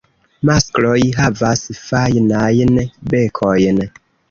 Maskloj havas fajnajn bekojn.